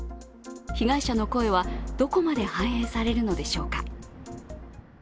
被害者の声は、どこまで反映されるのでしょうか。